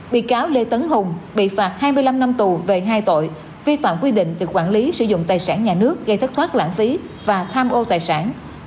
bị cáo lê tấn hùng bị phạt hai mươi năm năm tù về hai tội vi phạm quy định về quản lý sử dụng tài sản nhà nước gây thất thoát lãng phí và tham ô tài sản